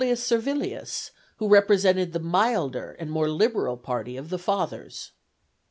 Servilius, who represented the milder and more liberal party of the Fathers.